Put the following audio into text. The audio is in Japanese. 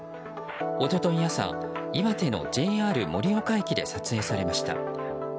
一昨日朝、岩手のＪＲ盛岡駅で撮影されました。